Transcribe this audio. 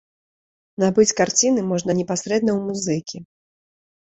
Набыць карціны можна непасрэдна ў музыкі.